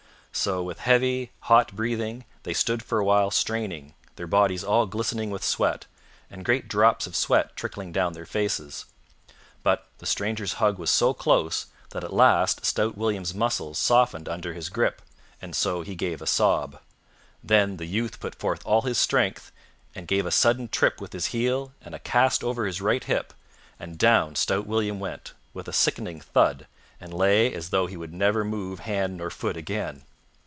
So, with heavy, hot breathing, they stood for a while straining, their bodies all glistening with sweat, and great drops of sweat trickling down their faces. But the stranger's hug was so close that at last stout William's muscles softened under his grip, and he gave a sob. Then the youth put forth all his strength and gave a sudden trip with his heel and a cast over his right hip, and down stout William went, with a sickening thud, and lay as though he would never move hand nor foot again.